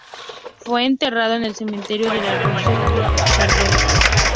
Fue enterrado en el cementerio de La Rochefoucauld, en Charente.